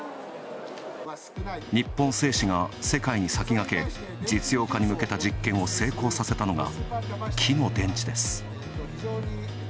日本製紙が世界に先駆け、実用化に向けた実験を成功させたのが、木の電池です。